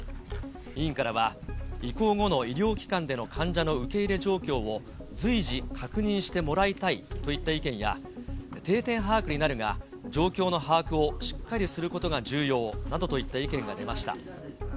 委員からは移行後の医療機関での患者の受け入れ状況を随時確認してもらいたいといった意見や、定点把握になるが、状況の把握をしっかりすることが重要などといった意見が出ました。